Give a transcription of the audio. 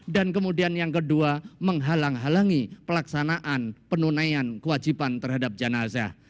dan kemudian yang kedua menghalang halangi pelaksanaan penunaian kewajiban terhadap janazah